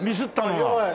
はい。